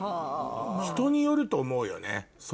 人によると思うよね。